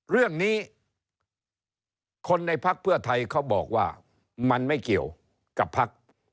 เรื่องนี้คนในพักเพื่อไทยเขาบอกว่ามันไม่เกี่ยวกับพัก